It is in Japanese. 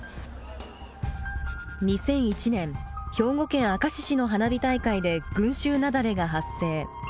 ２００１年兵庫県明石市の花火大会で群集雪崩が発生。